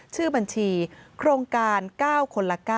ชื่อบัญชีโครงการ๙คนละ๙